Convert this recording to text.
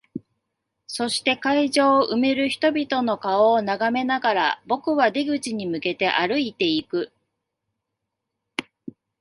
そして、会場を埋める人々の顔を眺めながら、僕は出口に向けて歩いていく。